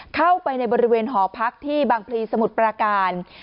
เข้าไปในบริเวณหอพักที่บางพลีสมุทรปราการ